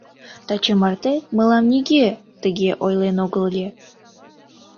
Таче марте мылам нигӧ тыге ойлен огыл ыле...